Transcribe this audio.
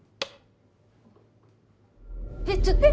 えっちょっと。